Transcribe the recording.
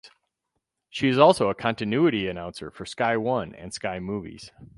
She is also a continuity announcer for Sky One and Sky Movies.